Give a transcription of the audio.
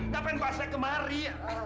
ngapain pak saya kemari